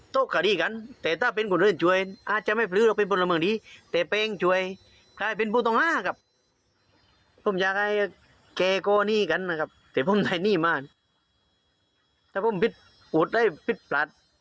แต่พวกมันไม่ได้นี่มาถ้าพูดอะไรผิดพลาด